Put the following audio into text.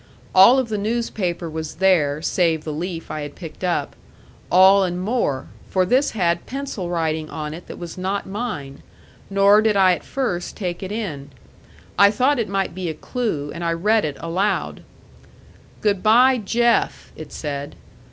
All of the newspaper was there save the leaf I had picked up all and more, for this had pencil writing on it that was not mine, nor did I at first take it in. I thought it might be a clew, and I read it aloud. "Good by, Jeff," it said.